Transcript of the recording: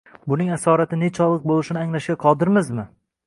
buning asorati nechog‘lik bo‘lishini anglashga qodirmizmi?